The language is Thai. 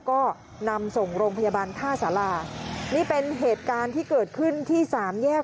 ก็นำส่งโรงพยาบาลท่าสารานี่เป็นเหตุการณ์ที่เกิดขึ้นที่สามแยก